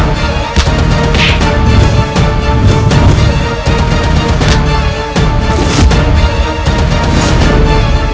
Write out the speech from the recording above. rugi aku membuang waktu untuk kalian